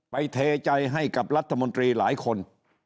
เทใจให้กับรัฐมนตรีหลายคน